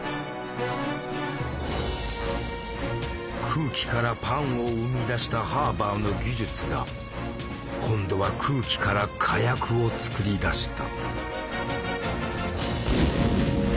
空気からパンを生み出したハーバーの技術が今度は空気から火薬を作り出した。